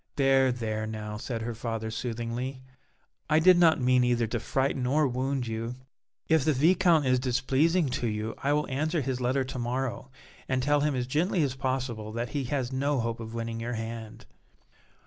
"There, there now," said her father, soothingly; "I did not mean either to frighten or wound you. If the Viscount is displeasing to you I will answer his letter to morrow and tell him as gently as possible that he has no hope of winning your hand."